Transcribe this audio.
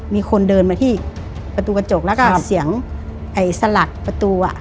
มีคนเดินมาที่ประตูกระจกแล้วก็เสียงไอ้สลักประตูอ่ะ